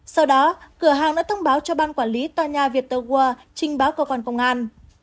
sau đó cửa hàng đã thông báo cho ban quản lý tòa nhà viettel world trình báo cơ quan công an